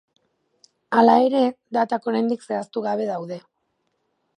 Hala ere, datak oraindik zehaztu gabe daude.